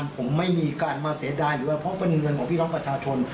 ผมไม่มีการมาเสียดายหรือว่าเพราะเป็นเงินของพี่น้องประชาชน